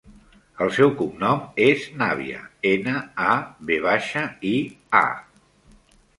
El seu cognom és Navia: ena, a, ve baixa, i, a.